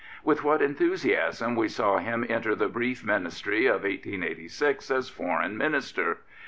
With what enthusiasm we saw him enter the brief Ministry of 1886 as Foreign Minister!